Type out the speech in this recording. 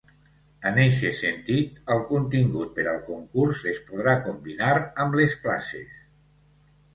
En eixe sentit, el contingut per al concurs es podrà combinar amb les classes.